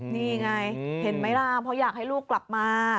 นี่ไงเห็นไหมล่ะเพราะอยากให้ลูกกลับมา